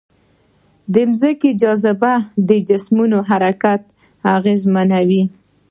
ځمکنۍ جاذبه د جسمونو حرکت اغېزمنوي.